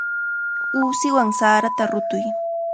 Uusiwan sarata rutuy.